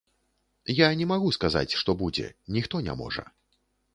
Я не магу сказаць, што будзе, ніхто не можа.